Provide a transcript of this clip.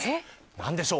何でしょう。